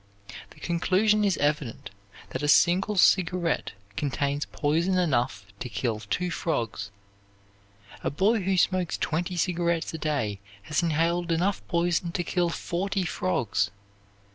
The conclusion is evident that a single cigarette contains poison enough to kill two frogs. A boy who smokes twenty cigarettes a day has inhaled enough poison to kill forty frogs.